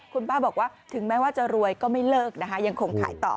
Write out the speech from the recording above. คุณป้าบอกว่าถึงแม้ว่าจะรวยก็ไม่เลิกนะคะยังคงขายต่อ